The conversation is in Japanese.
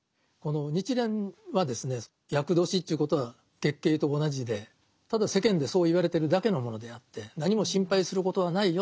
日蓮は厄年ということは月経と同じでただ世間でそう言われてるだけのものであって何も心配することはないよと。